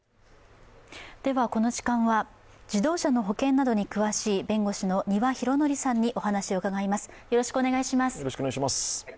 この時間は自動車の保険などに詳しい弁護士の丹羽洋典さんにお話を伺います。